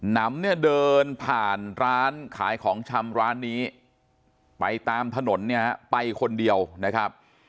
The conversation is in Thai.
นำเนี่ยเดินผ่านร้านขายของชำร้านนี้ไปตามถนนเนี่ยไปคนเดียวนะครับ